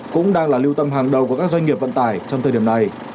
cũng đang là lưu tâm hàng đầu của các doanh nghiệp vận tải trong thời điểm này